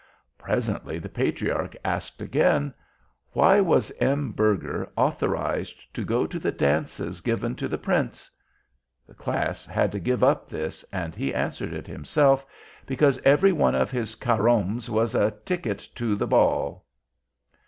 Presently the Patriarch asked again: "Why was M. Berger authorized to go to the dances given to the Prince?" The Class had to give up this, and he answered it himself: "Because every one of his carroms was a tick it to the ball."